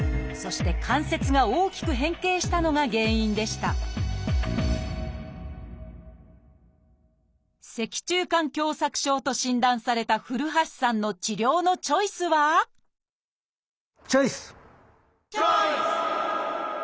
そして関節が大きく変形したのが原因でした「脊柱管狭窄症」と診断された古橋さんの治療のチョイスはチョイス！